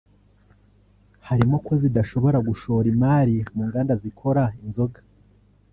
Harimo ko zidashobora gushora imari mu nganda zikora inzoga